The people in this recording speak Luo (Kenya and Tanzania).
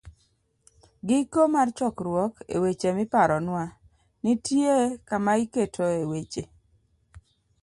ii- Giko mar chokruok E weche miparonwa, nitie kama iketoe weche